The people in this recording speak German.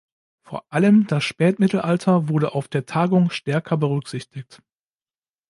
Vor allem das Spätmittelalter wurde auf der Tagung stärker berücksichtigt.